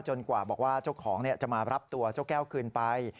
กว่าบอกว่าเจ้าของจะมารับตัวเจ้าแก้วคืนไป